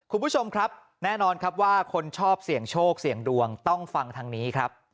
คุณผู้ชมครับแน่นอนครับว่าคนชอบเสี่ยงโชคเสี่ยงดวงต้องฟังทางนี้ครับ